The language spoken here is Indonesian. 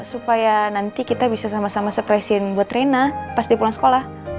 supaya nanti kita bisa sama sama surprise in buat rena pas dia pulang sekolah